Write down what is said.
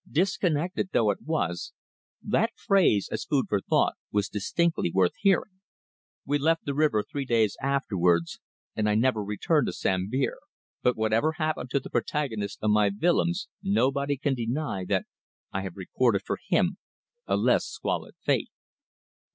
Disconnected though it was, that phrase, as food for thought, was distinctly worth hearing. We left the river three days afterwards and I never returned to Sambir; but whatever happened to the protagonist of my Willems nobody can deny that I have recorded for him a less squalid fate.